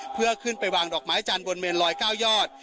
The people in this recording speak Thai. เพื่อขึ้นไปวางดอกไม้จันทร์บนเมนลอย๙ยอด